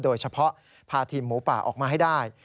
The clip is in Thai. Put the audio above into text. โดยเฉพาะพาทีมหมูป่าออกมาให้ได้